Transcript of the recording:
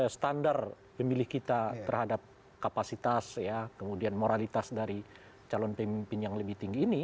standar pemilih kita terhadap kapasitas kemudian moralitas dari calon pemimpin yang lebih tinggi ini